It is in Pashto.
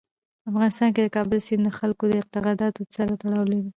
په افغانستان کې د کابل سیند د خلکو د اعتقاداتو سره تړاو لري.